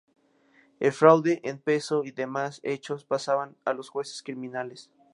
El fraude en peso y demás hechos pasaban a los jueces criminales.